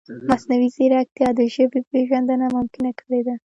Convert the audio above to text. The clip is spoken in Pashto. مصنوعي هوښیارتیا د ژبې پېژندنه ممکنه کړې ده.